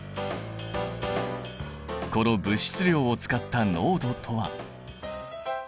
この物質量を使った濃度とは。